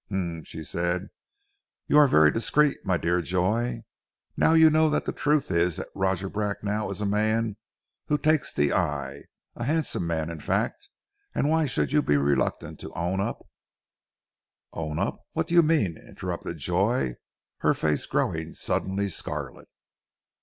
"Hum!" she said. "You are very discreet, my dear Joy. Now you know that the truth is that Roger Bracknell is a man who takes the eye, a handsome man in fact, and why you should be reluctant to own up " "Own up! What do you mean?" interrupted Joy, her face growing suddenly scarlet.